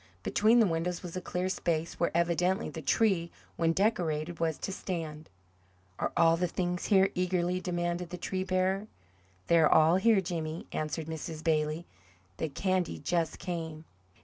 Between the windows was a cleared space, where evidently the tree, when decorated, was to stand. "Are all the things here?" eagerly demanded the tree bearer. "They're all here, Jimmy," answered Mrs. Bailey. "The candy just came."